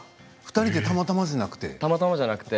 ２人でたまたまじゃなくて。